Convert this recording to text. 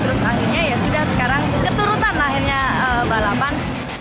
terus akhirnya ya sudah sekarang keturutan akhirnya balapan